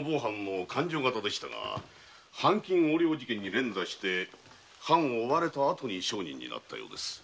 某藩の勘定方でしたが藩金横領事件に連座して藩を追われた後商人になったようです。